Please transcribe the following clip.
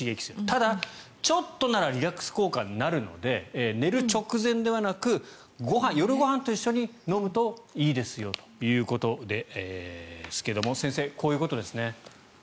ただ、ちょっとならリラックス効果になるので寝る直前ではなく夜ご飯と一緒に飲むといいですよということですが先生、こういうことですね。